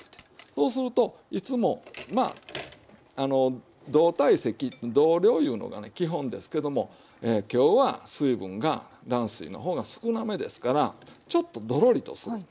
そうするといつも同体積同量いうのが基本ですけども今日は水分が卵水の方が少なめですからちょっとドロリとする。